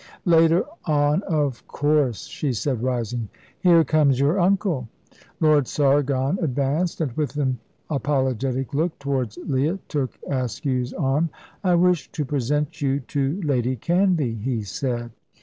"Later on, of course," she said, rising. "Here comes your uncle." Lord Sargon advanced, and, with an apologetic look towards Leah, took Askew's arm. "I wish to present you to Lady Canvey," he said.